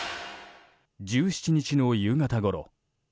１７日の夕方ごろ。